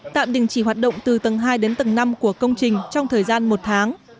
tạm bình trị hoạt động từ tầng hai đến tầng năm của công trình trong thời gian một tháng